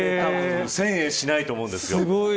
１０００円しないと思うんですよ。